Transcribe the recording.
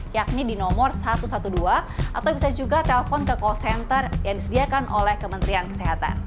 yakni di nomor satu ratus dua belas atau bisa juga telpon ke call center yang disediakan oleh kementerian kesehatan